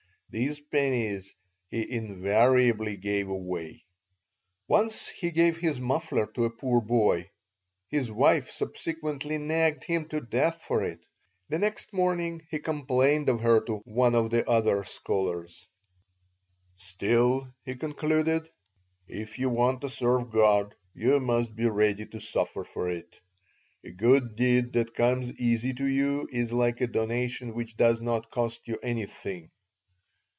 These pennies he invariably gave away. Once he gave his muffler to a poor boy. His wife subsequently nagged him to death for it. The next morning he complained of her to one of the other scholars "Still," he concluded, "if you want to serve God you must be ready to suffer for it. A good deed that comes easy to you is like a donation which does not cost you anything."